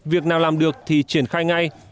việc nào làm được thì triển khai ngay